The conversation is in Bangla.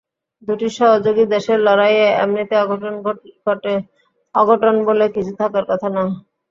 দুটি সহযোগী দেশের লড়াইয়ে এমনিতে অঘটন বলে কিছু থাকার কথা নয়।